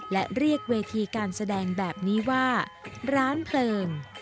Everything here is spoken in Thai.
และเรียกเวทีการแสดงแบบนี้ว่าร้านเพลิง